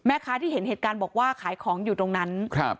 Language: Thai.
ที่เห็นเหตุการณ์บอกว่าขายของอยู่ตรงนั้นครับ